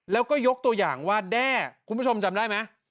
แล้วก็ยกตัวอย่างว่าแด้คุณผู้ชมจำได้ไหม